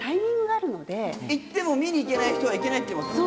行っても見に行けない人は行けないって言いますもんね。